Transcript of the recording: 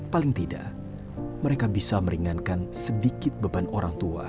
paling tidak mereka bisa meringankan sedikit beban orang tua